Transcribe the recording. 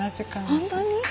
本当に？